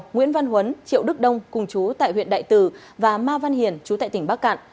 nguyễn văn huấn triệu đức đông cùng chú tại huyện đại từ và ma văn hiền chú tại tỉnh bắc cạn